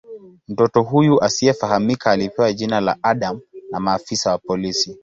Mtoto huyu asiyefahamika alipewa jina la "Adam" na maafisa wa polisi.